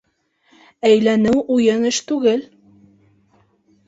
Әйләнеү уйын эш түгел.